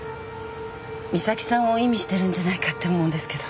美咲さんを意味してるんじゃないかって思うんですけど。